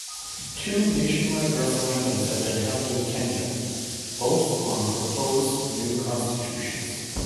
Two nationwide referendums have been held in Kenya, both on proposed new constitutions.